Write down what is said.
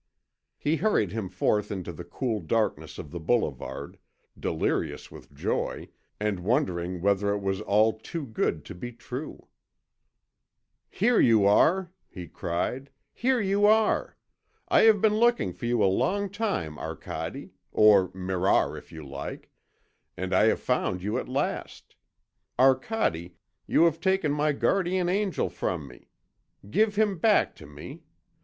He hurried him forth into the cool darkness of the boulevard, delirious with joy and wondering whether it was all too good to be true. "Here you are!" he cried; "here you are! I have been looking for you a long time, Arcade, or Mirar if you like, and I have found you at last. Arcade, you have taken my guardian angel from me. Give him back to me.